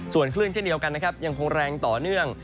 ส่วนคลื่นเช่นเดียวกันนะครับยังคงแรงต่อเนื่อง